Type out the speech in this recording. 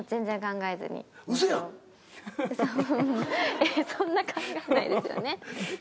えっそんな考えないですよね。